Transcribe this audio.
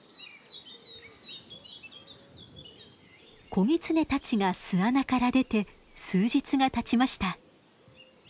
子ギツネたちが巣穴から出て数日がたちました。